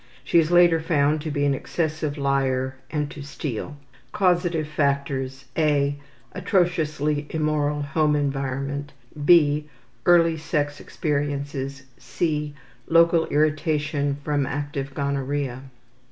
She is later found to be an excessive liar and to steal. Causative factors: (a) atrociously immoral home environment, (b) early sex experiences, (c) local irritation from active gonorrhea.